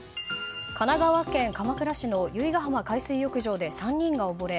神奈川県鎌倉市の由比ガ浜海水浴場で３人が溺れ